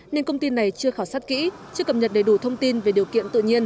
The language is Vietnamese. nên công ty này chưa khảo sát kỹ chưa cập nhật đầy đủ thông tin về điều kiện tự nhiên